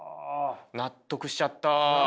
納得しちゃった。